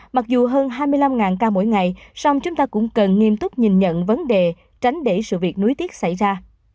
mặc dù hơn hai mươi năm ca mỗi ngày song chúng ta cũng cần nghiêm túc nhìn nhận vấn đề tránh để sự việc nối tiếp xảy ra